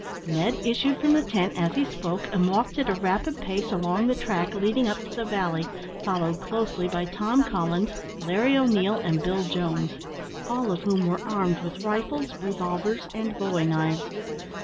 Ned issued from the tent as he spoke, and walked at a rapid pace along the track leading up the valley, followed closely by Tom Collins, Larry O'Neil, and Bill Jones all of whom were armed with rifles, revolvers, and bowie knives.